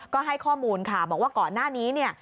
ก็ให้ข้อมูลค่ะบอกว่าก่อนหน้านี้เนี่ย